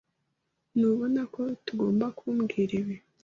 Ntubona ko tugomba kubwira ibi?